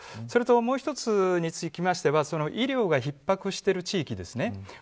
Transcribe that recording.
それと、もう１つについては医療が逼迫している地域ですね。